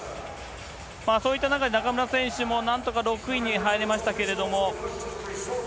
そういった中で、中村選手もなんとか６位に入りましたけれども。